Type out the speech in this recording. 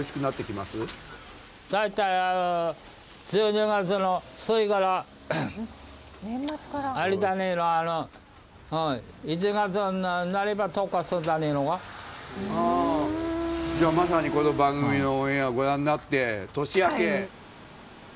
まさにこの番組のオンエアご覧になって年明け。